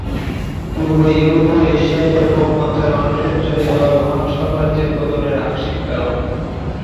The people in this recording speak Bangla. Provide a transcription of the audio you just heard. পূর্ব ইউরোপ ও এশিয়ায় ব্যাপক মাত্রায় মানুষের চলে যাওয়া রোমান সাম্রাজ্যের পতনের আংশিক কারণ।